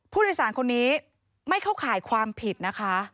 ผู้โดยสารคนนี้ไม่เข้าข่ายความผิดนะคะ